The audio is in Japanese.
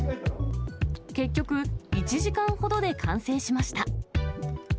結局、１時間ほどで完成しました。